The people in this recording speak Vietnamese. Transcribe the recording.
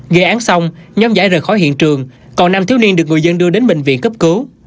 gây án xong nhóm giải rời khỏi hiện trường còn năm thiếu niên được người dân đưa đến bệnh viện cấp cứu